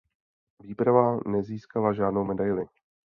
Výprava nezískala žádnou medaili.